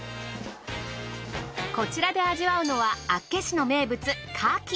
こちらで味わうのは厚岸の名物牡蠣。